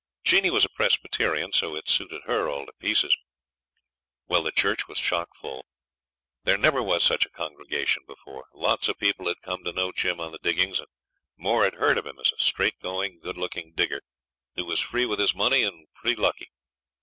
Jeanie was a Presbyterian, so it suited her all to pieces. Well, the church was chock full. There never was such a congregation before. Lots of people had come to know Jim on the diggings, and more had heard of him as a straightgoing, good looking digger, who was free with his money and pretty lucky.